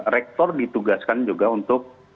rektor ditugaskan juga untuk